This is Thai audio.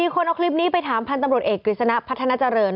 คนเอาคลิปนี้ไปถามพันธ์ตำรวจเอกกฤษณะพัฒนาเจริญ